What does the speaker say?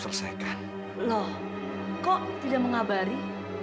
loh kok tidak mengabari